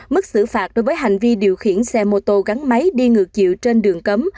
mức xử phạt đối với hành vi điều khiển xe mô tô gắn máy đi ngược chiều trên đường cấm